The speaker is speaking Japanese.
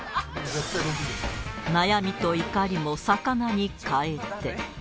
悩みと怒りも肴に変えて